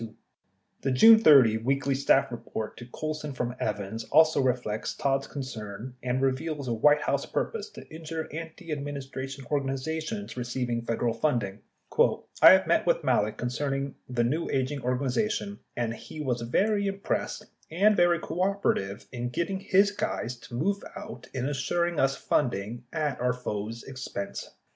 428 The June 30 "Weekly Staff Report" to Colson from Evans also reflects Todd's concern and reveals a White House purpose to injure antiadministration organizations receiving Federal funding: I met with Malek concerning the new aging organization, and he was very impressed and very cooperative in getting his guys to move out in assuring us funding at our foe's expense.